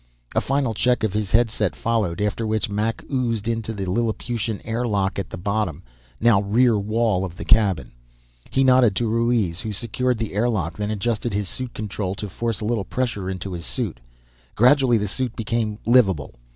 A final check of his headset followed, after which Mac oozed into the Lilliputian air lock at the bottom, now rear, wall of the cabin. He nodded to Ruiz, who secured the air lock, then adjusted his suit control to force a little pressure into his suit. Gradually the suit became livable.